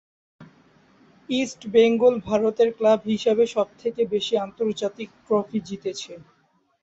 ইষ্ট বেঙ্গল ভারতের ক্লাব হিসাবে সব থেকে বেশি আন্তর্জাতিক ট্রফি জিতেছে।